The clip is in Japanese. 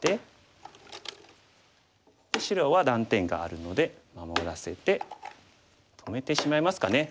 で白は断点があるので守らせて止めてしまいますかね。